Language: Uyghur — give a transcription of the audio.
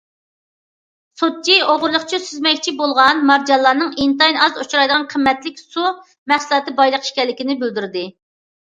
سوتچى ئوغرىلىقچە سۈزمەكچى بولغان مارجانلارنىڭ ئىنتايىن ئاز ئۇچرايدىغان قىممەتلىك سۇ مەھسۇلاتى بايلىقى ئىكەنلىكىنى بىلدۈردى.